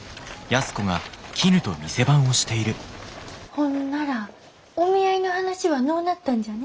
ほんならお見合いの話はのうなったんじゃね？